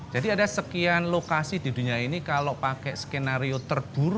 jadi ada sekian lokasi di dunia ini kalau pakai skenario terbukti